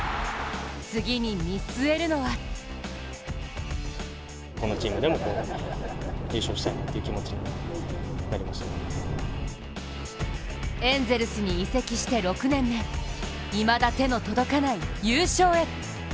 次に見据えるのはエンゼルスに移籍して６年目いまだ手の届かない優勝へ。